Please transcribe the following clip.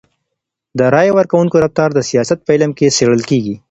د رایي ورکوونکو رفتار د سیاست په علم کي څېړل کیږي.